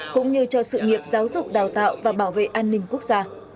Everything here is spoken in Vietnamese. cũng như cho sự nghiệp giáo dục đào tạo và bảo vệ an ninh quốc gia